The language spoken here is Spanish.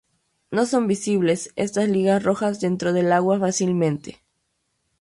No son visibles estas ligas rojas, dentro del agua fácilmente.